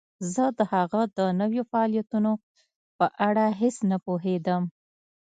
زه د هغه د نویو فعالیتونو په اړه هیڅ نه پوهیدم